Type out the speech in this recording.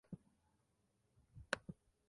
Nativo de Congo y Gabón.